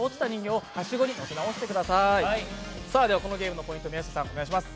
このゲームのポイント宮下さん、お願いします。